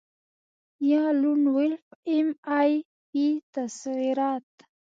یا لون وولف ایم آی پي تصورات